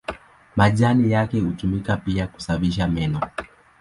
Majani yake hutumika pia kusafisha meno.